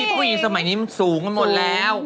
ผู้หญิงสมัยนี้มันสูงกันหมดแล้ว